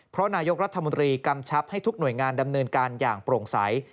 เพราะนายกรัฐมนตรีกำชับให้ทุกหน่วยงานดำเนินการอย่างโปร่งใส